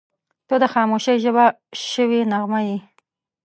• ته د خاموشۍ ژبه شوې نغمه یې.